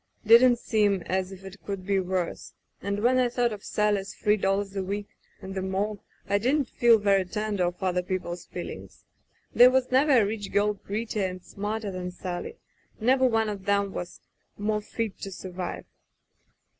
Didn't seem as if it could be worse — and when I thought of Sally's three dollars a week, and the morgue, I didn't feel very tender of other people's feelings. There was never a rich girl prettier and smarter than Sally, never one of 'em that was more fit to survive.